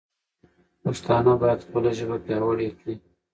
پښتانه باید خپله ژبه پیاوړې کړي.